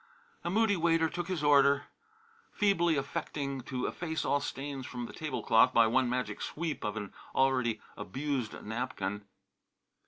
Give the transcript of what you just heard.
A moody waiter took his order, feebly affecting to efface all stains from the tablecloth by one magic sweep of an already abused napkin.